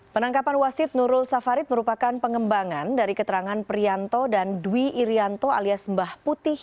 penangkapan wasid nurul safarid merupakan pengembangan dari keterangan prianto dan dwi irianto alias mbah putih